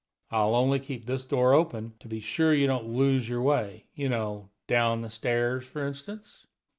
I'll only keep this door open, to be sure you don't lose your way, you know down the stairs, for instance."